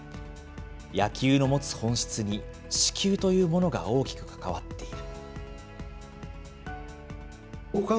野球の持つ本質に四球というものが大きく関わっている。